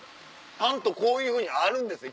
ちゃんとこういうふうにあるんですね。